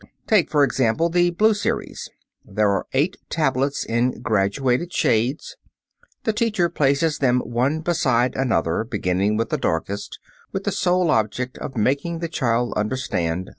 Take, for example, the blue series. There are eight tablets in graduated shades. The teacher places them one beside another, beginning with the darkest, with the sole object of making the child understand "what is to be done."